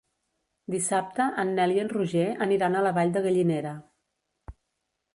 Dissabte en Nel i en Roger aniran a la Vall de Gallinera.